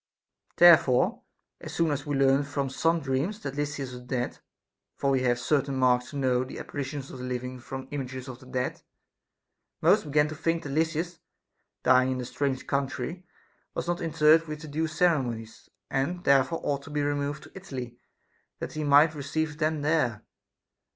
Therefore, as soon as we learned from some dreams that Lysis was dead (for we have certain marks to know the apparitions of the living from images of the dead), most began to think that Lysis, dying in a strange country, was not interred with the due ceremonies, and therefore ought to be removed to Italy that he might receive them there.